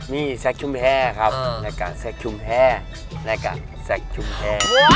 มีแซคชุมแพร่ครับแซคชุมแพร่แซคชุมแพร่